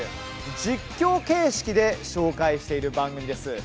実況形式で紹介している番組です。